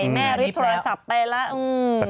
แม่ฤทธิโทรศัพท์ไปแล้ว